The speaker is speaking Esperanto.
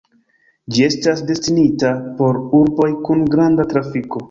Ĝi estas destinita por urboj kun granda trafiko.